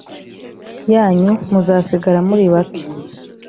yanyu muzasigara muri bake